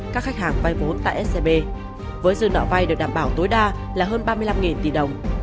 các khách hàng vay vốn tại scb với dư nợ vay được đảm bảo tối đa là hơn ba mươi năm tỷ đồng